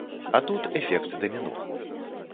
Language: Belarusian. А тут эфект даміно.